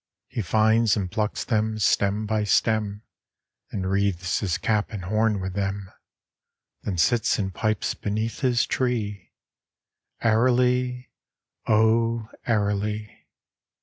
He finds and plucks them, stem by stem, And wreathes his cap and horn with them ; Then sits and pipes beneath his tree, Airily, O airily.